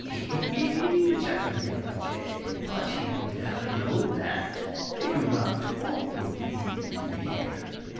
" He he he !" chattered the other jay. " But he will never know that. They do not talk when he is near."